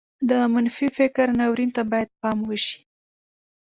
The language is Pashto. د منفي فکر ناورين ته بايد پام وشي.